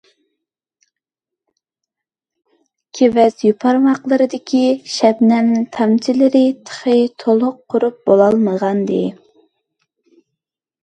كېۋەز يوپۇرماقلىرىدىكى شەبنەم تامچىلىرى تېخى تولۇق قۇرۇپ بولالمىغانىدى.